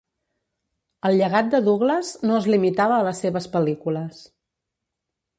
El llegat de Douglas no es limitava a les seves pel·lícules.